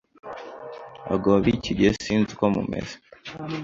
Abagabo b’iki gihe sinzi uko mumeze,